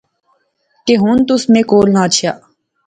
کہ ہن تس میں کول نہ اچھیا